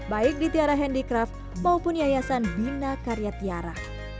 baik di tiara handicraft maupun yayasan bina karya tiara